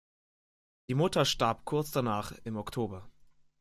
Die Mutter starb kurz danach im Oktober.